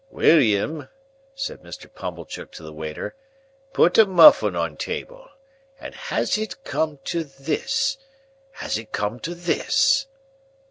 "William," said Mr. Pumblechook to the waiter, "put a muffin on table. And has it come to this! Has it come to this!"